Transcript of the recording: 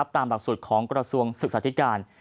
ตามหลักส่วนของกรสวงศึกษาพิการ